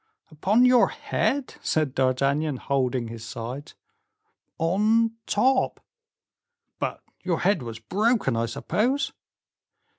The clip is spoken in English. "Upon your head?" said D'Artagnan, holding his sides. "On top." "But your head was broken, I suppose?"